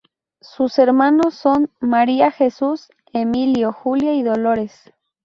Sus hermanos son María Jesús, Emilio, Julia y Dolores.